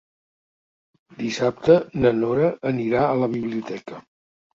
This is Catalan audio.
Dissabte na Nora anirà a la biblioteca.